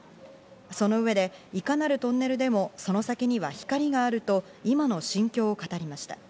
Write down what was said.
その上でいかなるトンネルでもその先には光があると今の心境を語りました。